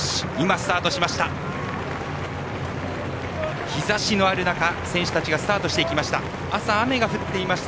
スタートしました。